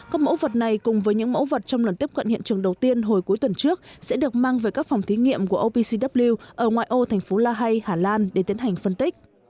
các mẫu vật này cùng với những mẫu vật trong lần tiếp cận hiện trường đầu tiên hồi cuối tuần trước sẽ được mang về các phòng thí nghiệm của opcw ở ngoại ô thành phố la hay hà lan để tiến hành phân tích